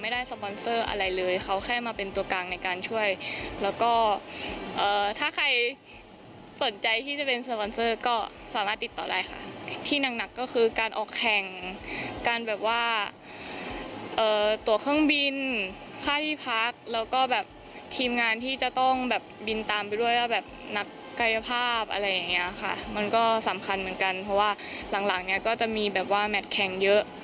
มันก็สำคัญเหมือนกันเพราะหลังจะมีแบบว่าแมตค์แขนเยอะ